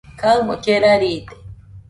kaɨmo llera riide